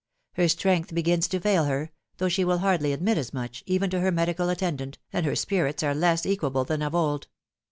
Her strength begins to fail her, though she will hardly admit as much, even to her medical attendant, and her spirits are less equable than of old.